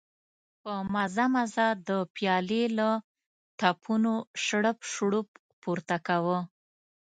په مزه مزه د پيالې له تپونو شړپ شړوپ پورته کاوه.